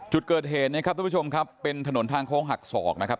จุดเกิดเหตุนะครับทุกผู้ชมครับเป็นถนนทางโค้งหักศอกนะครับ